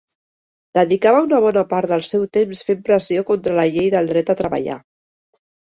Dedicava una bona part del seu temps fent pressió contra la Llei del dret a treballar.